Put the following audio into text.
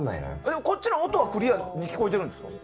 でも、こっちの音はクリアに聞こえてるんですか？